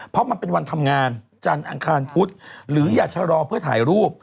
เพราะมันเป็นวันทำงานจันทร์อังคารพุธหรืออย่าชะลอเพื่อถ่ายรูป